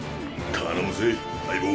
頼むぜ相棒。